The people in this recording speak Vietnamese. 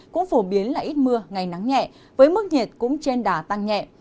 cũng phổ biến là ít mưa ngày nắng nhẹ với mức nhiệt cũng trên đà tăng nhẹ